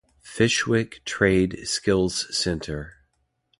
Fyshwick Trade Skills Centre.